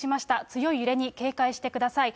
強い揺れに警戒してください。